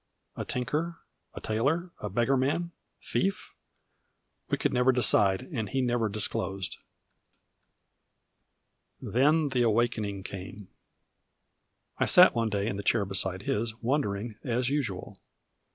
a tinker, tailor, beggarman, thief? We could never decide, and he never disclosed. Then the awakening came. I sat one day in the chair beside his, wondering as usual.